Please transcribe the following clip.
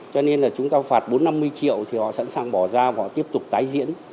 cho nên là chúng ta phạt bốn năm mươi triệu thì họ sẵn sàng bỏ ra và tiếp tục tái diễn